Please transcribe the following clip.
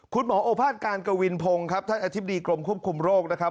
โอภาษการกวินพงศ์ครับท่านอธิบดีกรมควบคุมโรคนะครับ